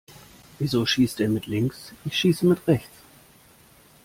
Wieso schießt der mit links? Ich schieß mit rechts.